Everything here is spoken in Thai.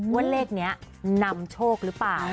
ว่าเลขนี้นำโชคหรือเปล่า